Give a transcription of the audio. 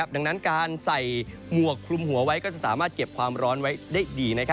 ดังนั้นการใส่หมวกคลุมหัวไว้ก็จะสามารถเก็บความร้อนไว้ได้ดี